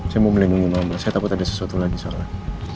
saya mau melindungi mama saya takut ada sesuatu lagi salah